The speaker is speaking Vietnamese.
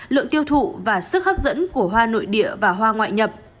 lượng tiêu thụ và sức hấp dẫn của hoa nội địa và hoa ngoại nhập